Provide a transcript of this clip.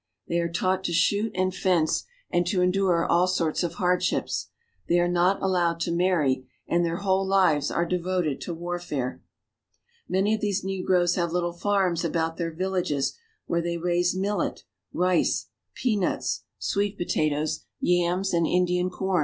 They are taught to shoot and fence, and to endure all sorts of hardships. They are not allowed to marry, and their whole lives are devoted to warfare. Many of these negroes have little farms about their viL L lages, where they raise millet, rice, peanuts, sweet pota 196 AFRICA toes, yams, and Indian com.